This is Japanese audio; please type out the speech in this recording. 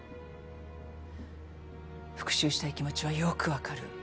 復讐したい気持ちはよくわかる。